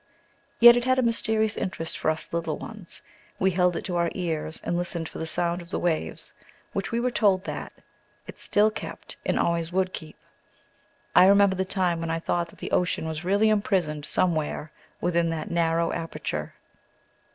Yet it had a mysterious interest for us little ones. We held it to our ears, and listened for the sound of the waves, which we were told that, it still kept, and always would keep. I remember the time when I thought that the ocean was really imprisoned somewhere within that narrow aperture.